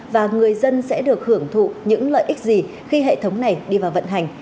và người dân sẽ được hưởng thụ những lợi ích gì khi hệ thống này đi vào vận hành